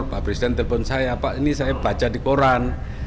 pak presiden telpon saya pak ini saya baca di koran